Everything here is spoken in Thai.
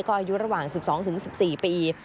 ก็อายุระหว่าง๑๒๑๔ปี